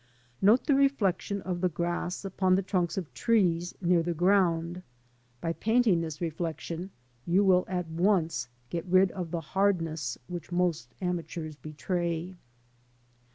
Note the reflection of the grass upon the trunks of trees near the ground. By painting this reflection you will at once get rid of the hardness which most amateurs betray.